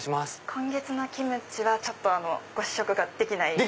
「今月のキムチ」はちょっとご試食ができない。